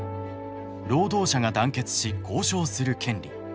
「労働者が団結し交渉する権利」。